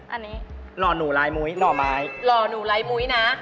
อันนี้หล่อหนูร้ายมุ้ยหล่อไม้หล่อหนูร้ายมุ้ยนะ